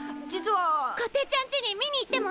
こてっちゃんちに見に行ってもいい？